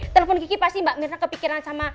telepon gigi pasti mbak mirna kepikiran sama